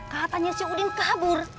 katanya si udin kabur